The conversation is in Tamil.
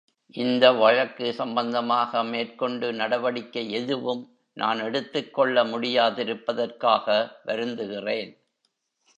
இந்த வழக்கு சம்பந்தமாக மேற்கொண்டு நடவடிக்கை எதுவும் நான் எடுத்துக்கொள்ள முடியாதிருப்பதற்காக வருந்துகிறேன்.